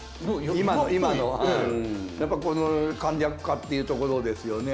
今の今のはやっぱこの簡略化っていうところですよね。